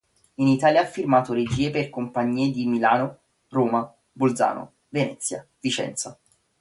In Italia ha firmato regie per compagnie di Milano, Roma, Bolzano, Venezia, Vicenza.